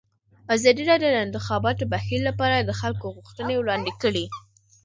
ازادي راډیو د د انتخاباتو بهیر لپاره د خلکو غوښتنې وړاندې کړي.